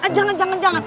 jangan jangan jangan